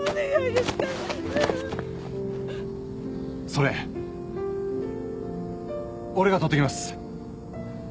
それ俺が取ってきます。